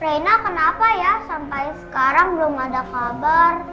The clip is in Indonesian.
reina kenapa ya sampai sekarang belum ada kabar